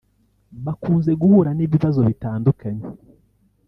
bakunze guhura n’ibibazo bitandukanye